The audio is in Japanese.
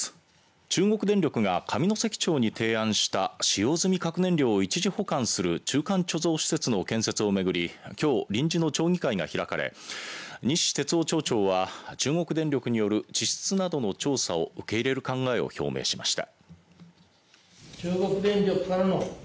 中国電力が上関町に提案した使用済み核燃料を一時保管する中間貯蔵施設の建設を巡りきょう、臨時の町議会が開かれ西哲夫町長は、中国電力による地質などの調査を受け入れる考えを表明しました。